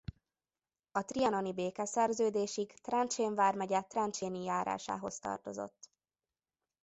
A trianoni békeszerződésig Trencsén vármegye Trencséni járásához tartozott.